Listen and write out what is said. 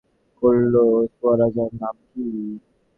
কল্পনার শিশুদের একজন প্রশ্ন করল, সুয়োরাজার নাম কি?